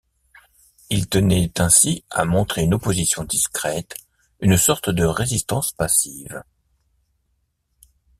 Il tenait ainsi à montrer une opposition discrète, une sorte de résistance passive.